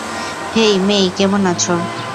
হেই মেই, কেমন আছো?